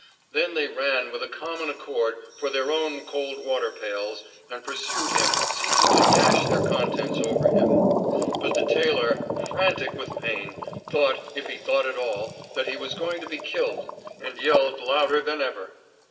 Then they ran with a common accord for their own cold water pails, and pursued him, seeking to dash their contents over him. But the tailor, frantic with pain, thought, if he thought at all, that he was going to be killed, and yelled louder than ever.